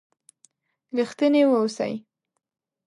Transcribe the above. رښتيني و اوسئ!